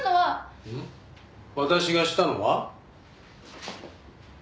私がしたのは？」